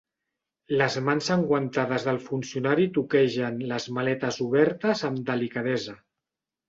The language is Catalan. Les mans enguantades del funcionari toquegen les maletes obertes amb delicadesa.